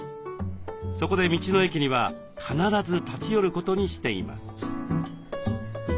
そこで道の駅には必ず立ち寄ることにしています。